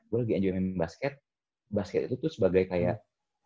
gue lagi enjoy main basket basket itu tuh sebagai kayak